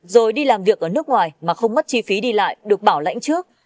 rồi đi làm việc ở nước ngoài mà không mất chi phí đi lại được bảo lãnh trước